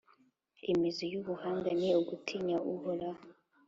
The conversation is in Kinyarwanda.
Imizi y’ubuhanga ni ugutinya Uhoraho,